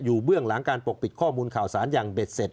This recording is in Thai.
เบื้องหลังการปกปิดข้อมูลข่าวสารอย่างเบ็ดเสร็จ